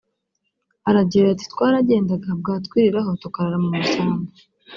Aragira ati “Twaragendaga bwatwiriraho tukarara mu mashyamba